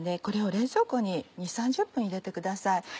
これを冷蔵庫に２０３０分入れてください。